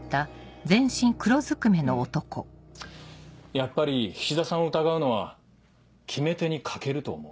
やっぱり菱田さんを疑うのは決め手に欠けると思う。